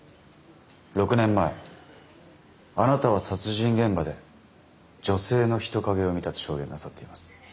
６年前あなたは殺人現場で女性の人影を見たと証言なさっています。